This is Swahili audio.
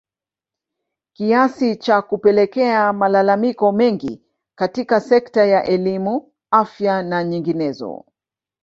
kiasi cha kupelekea malalamiko mengi katika sekta ya elimu afya na nyinginezo